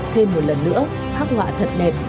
thêm một lần nữa khắc họa thật đẹp